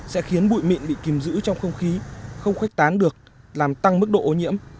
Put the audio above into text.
sẽ khiến bụi mịn bị kìm giữ trong không khí không khuếch tán được làm tăng mức độ ô nhiễm